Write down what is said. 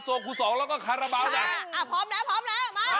ครูสองแล้วก็คาราบาลนะอ่าพร้อมแล้วพร้อมแล้วมา